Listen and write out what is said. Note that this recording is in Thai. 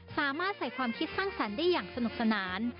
สามารถใส่ความคิดสร้างสรรค์ได้อย่างสนุกสนาน